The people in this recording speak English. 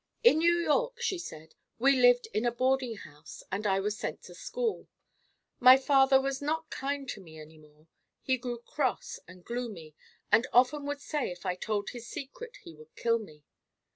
"In New York," she said, "we lived in a boarding house and I was sent to school. My father was not kind to me any more. He grew cross and gloomy and often would say if I told his secret he would kill me.